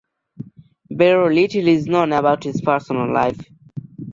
Very little is known about his personal life.